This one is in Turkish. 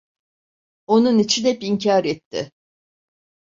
Onun için hep inkar etti.